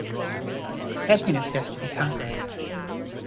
Happiness has to be conquered.